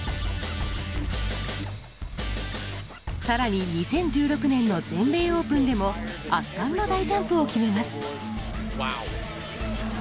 更に２０１６年の全米オープンでも圧巻の大ジャンプを決めます。